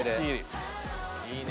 いいね。